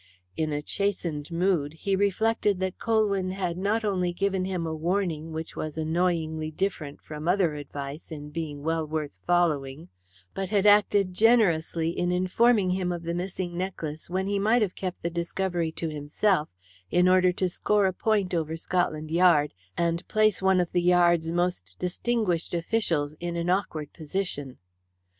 In a chastened mood, he reflected that Colwyn had not only given him a warning which was annoyingly different from other advice in being well worth following, but had acted generously in informing him of the missing necklace when he might have kept the discovery to himself, in order to score a point over Scotland Yard and place one of the Yard's most distinguished officials in an awkward position.